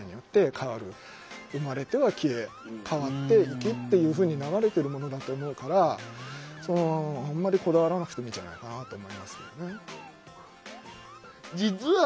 生まれては消え変わっていきっていうふうに流れてるものだと思うからあんまりこだわらなくてもいいんじゃないかなと思いますけどね。